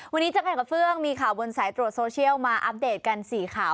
วันนี้เจอกันกับเฟื่องมีข่าวบนสายตรวจโซเชียลมาอัปเดตกัน๔ข่าว